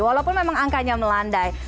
walaupun memang angkanya melandai